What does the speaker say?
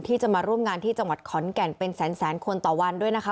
ที่จะมาร่วมงานที่จังหวัดขอนแก่นเป็นแสนคนต่อวันด้วยนะคะ